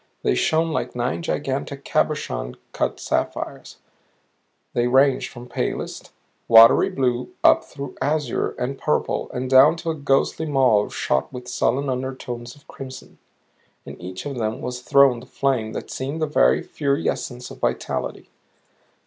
They shone like nine gigantic cabochon cut sapphires; they ranged from palest, watery blue up through azure and purple and down to a ghostly mauve shot with sullen undertones of crimson. In each of them was throned a flame that seemed the very fiery essence of vitality.